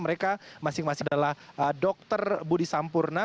mereka masing masing adalah dokter budi sampurna